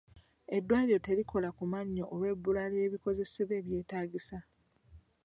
Eddwaliro terikola ku mannyo olw'ebbula ly'ebikozesebwa ebyetaagisa.